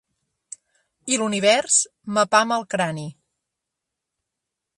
I l’univers m’apama el crani.